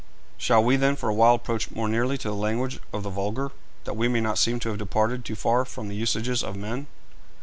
'Shall we, then, for awhile approach more nearly to the language of the vulgar, that we may not seem to have departed too far from the usages of men?'